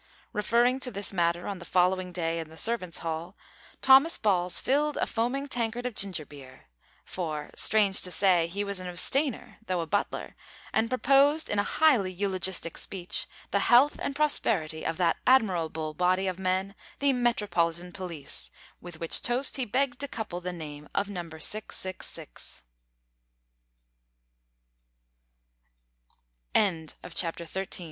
Referring to this matter on the following day in the servants' hall, Thomas Balls filled a foaming tankard of ginger beer for, strange to say, he was an abstainer, though a butler and proposed, in a highly eulogistic speech, the health and prosperity of that admirable body of men, the Metropolitan Police, with which toast he begged to couple the name of Number 666! CHAPTER FOURTEEN. NUMBER 666 OFF DUTY. Some time after the a